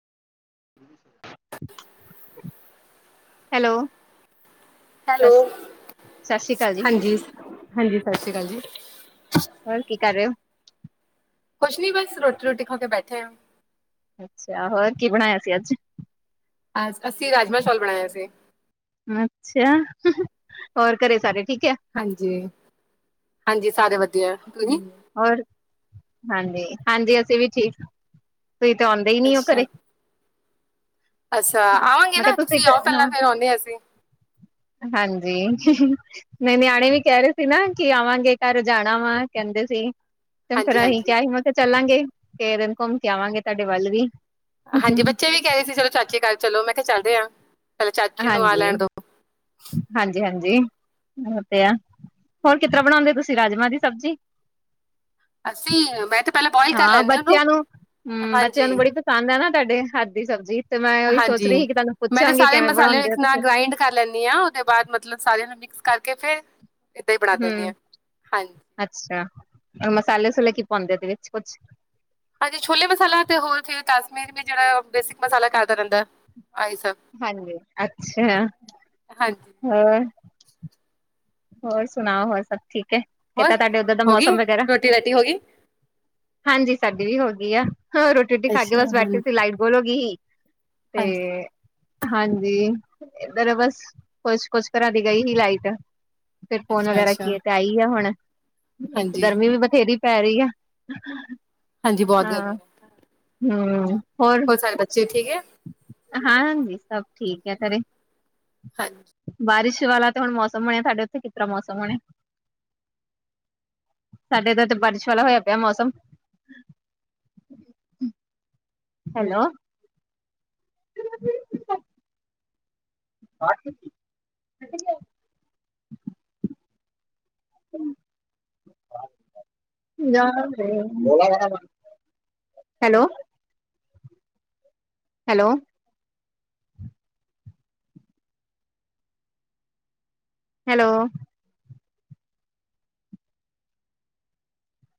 Hello. ਸ hello, ਸਤਿ ਸ੍ਰੀ ਅਕਾਲ ਜੀ ਹਾਂਜੀ, ਹਾਂਜੀ ਸਾਸੀ ਕਾਲ ਜੀ। ਹੋਰ ਕੀ ਕਰ ਰਹੇ ਹੋ ਕੁਛ ਨੀ ਬਸ ਰੋਟੀ ਰੋਟੀ ਖਾ ਕੇ ਬੈਠੇ ਆਂ। ਅੱਛਾ, ਹੋਰ ਕੀ ਬਣਾਇਆ ਸੀ ਅੱਜ। ਅ ਅਸੀਂ ਰਾਜਮਾ ਚੋਲ ਬਣਾਇਆ ਸੀ ਅੱਛਾ! ਹੋਰ ਘਰੇ ਸਾਰੇ ਠੀਕ ਹੈ। ਹਾਂਜੀ- ਹਾਂਜੀ ਸਾਰੇ ਵਧੀ ਹੋਰ, ਹਾਂਜੀ, ਹਾਂਜੀ ਅਸੀਂ ਵੀ ਠੀਕ। ਤੁਸੀ ਤਾਂ ਆਉਂਦੇ ਹੀ ਨੀ ਉਹ ਅੱਛਾ ਘਰੇ। ਅੱਛਾ, ਆਵਾਂਗੇ ਮੈਂ ਨਾ, ਕਿਹਾ ਤੁਸੀਂ ਆਓ ਪਹਿਲਾਂ, ਹਾਂ ਫੇਰ ਆਉਂਨੇ ਆ ਅਸੀਂ ਹਾਂਜੀ, ਨਹੀ ਨਿਆਣੇ ਵੀ ਕਹਿ ਰਹੇ ਸੀ ਨਾ, ਕਿ ਆਵਾਂਗੇ ਘਰ ਜਾਣ ਤਾਵਾ ਕਹਿੰਦੇ ਸੀ, ਤੇ ਹਾਂਜੀ ਫੇਰ ਅਹੀ ਹਾਂਜੀ ਕਿਆ ਸੀ ਮਤ ਤੇ ਚੱਲਾਂਗੇ ਫਿਰ ਘੁੰਮ ਕੇ ਆਵਾਂਗੇ ਤੁਆਡੇ ਵੱਲ ਵੀ ਹਾਂਜੀ, ਬੱਚੇ ਵੀ ਕੈ ਰਏ ਸੀ ਚਲੋ ਚਾਚੀ ਕਰ ਚਲੋ ਮੈਂ ਕਿਆ ਚੱਲਦੇ ਆ ਪਹਿਲਾਂ ਚਾਚੀ ਨੂੰ ਆ ਲੈਣ ਦੋ। ਹਾਂਜੀ-ਹਾਂਜੀ, ਉਹ ਤੇ ਆ, ਹੋਰ ਕਿਸ ਤਰਾਂ ਬਣਾਉਂਦੇ ਤੁਸੀਂ ਰਾਜਮਾਂ ਦੀ ਸਬਜ਼ੀ। ਅਸੀਂ ਮੈਂ ਤੇ ਪਹਿਲਾਂ ਬੋਇਲ ਕਰ ਹਾਂ ਲੈਂਦੀ ਉਹਨੂੰ ਬੱਚਿਆਂ ਨੂੰ, ਹੂੰ, ਹਾਂਜੀ ਬੱਚਿਆਂ ਨੂੰ ਬੜੀ ਪਸੰਦ ਐ ਨਾ ਤੁਆਡੇ ਹੱਥ ਦੀ ਸਬਜ਼ੀ ਤੇ ਮੈਂ ਉਹੀ ਸੋਚ ਹਾਂਜੀ ਰਹੀ ਸੀ ਕਿ ਤੁਹਾਨੂੰ ਪੁੱਛਾਂਗੀ ਕੈਵੇਂ ਬਣਾਉਂਦੇ ਹੋ ਤੇ ਫਿਰ ਕਰਾ ਲੈਣੀ ਆ, ਉਹਦੇ ਬਾਦ ਮਤਲਬ ਸਾਰਿਆਂ ਨੂੰ ਮਿਕਸ ਕਰਕੇ ਫੇਰ ਏਦਾਂ ਈ ਬਣਾ ਦਿਣੀ ਹੂੰ ਆ, ਹਾਂਜੀ। ਅੱਛਾ, ਮਸਾਲੇ-ਸੁਸੂਲੇ ਕੀ ਪਾਉਂਦੇ ਇਹਦੇ ਵਿੱਚ ਕੁਛ ਹਾਂਜੀ, ਛੋਲੇ ਮਸਾਲਾ ਤੇ ਹੋਰ ਫੇਰ ਕਸ਼ਮੀਰ ਜੇੜਾ ਬੇਸਿਕ ਮਸਾਲਾ ਘਰਦਾ ਰਹਿੰਦਾ ਆਈ ਸਬ। ਹਾਂਜੀ, ਅੱਛਾ, ਹਾਂਜੀ ਹੋਰ ਹੋਰ ਸੁਣਾਓ, ਹੋਰ ਸਭ ਠੀਕ ਐ, ਹੋਰ ਕਿੱਦਾਂ ਤੁਆਡੇ ਉਧਰ ਦਾ ਹੋ ਗਈ ਮੌਸਮ ਵਗੈਰਾ। ਰੋਟੀ ਰਾਟੀ ਹੋ ਗਈ ਹਾਂਜੀ ਸਾਡੀ ਵੀ ਹੋ ਗਈ ਆ, ਹੋਰ ਰੋਟੀ-ਰੁਟੀ ਖਾ ਕੇ ਅੱਛਾ ਬਸ ਹਾਂ ਬੈਠੇ ਸੀ ਲਾਈਟ ਗੋਲ ਓ ਗਈ ਸੀ। ਤੇ ਹਾਂਜੀ ਹਾਂਜੀ, ਇਧਰ ਬਸ ਕੁਛ ਕੁਛ ਘਰਾਂ ਦੀ ਗਈ ਹੀ ਲਾਈਟ। ਫੇਰ ਫੋਨ ਅੱਛਾ ਵਗੈਰਾ ਅੱਛਾ ਕੀਏ ਤੇ ਆਈ ਆ ਹੁਣ ਇੱਕ ਹਾਂਜੀ ਗਰਮੀ ਵੀ ਬਥੇਰੀ ਪੈ ਰਈ ਆ, ਹਾਂਜੀ ਬਹੁਤ ਗਰਮੀ ਹਾਂ, ਹੈ ਹੂੰ, ਹੋਰ ਸਾਰੇ ਬੱਚੇ ਠੀਕ ਐ। ਹਾਂ, ਹਾਂਜੀ ਸਭ ਠੀਕ ਐ ਘਰੇ। ਹਾਂਜੀ। ਬਾਰਿਸ਼ ਵਾਲਾ ਤੇ ਹੁਣ ਮੌਸਮ ਹੋਣਿਆ ਸਾਡੇ ਉੱਥੇ ਕਿਸ ਤਰਾ ਮੌਸਮ ਹੋਣੇ। ਸਾਡੇ ਤੇ ਇੱਥੇ ਬਾਰਿਸ਼ ਵਾਲਾ ਹੋਇਆ ਪਿਆ ਮੌਸਮ। ਹੈਲੋ। [inaudible] ਹ [inaudible] ਹਮ [unintelligible] ਹੈਲੋ। ਹੈਲੋ। ਹੈਲੋ।